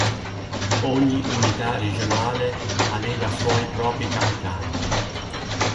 Ogni unità regionale aveva suoi propri capitani.